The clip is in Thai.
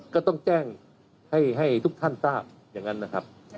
ก็ต้องแจ้งให้ทุกท่านทราบอย่างนั้นนะครับ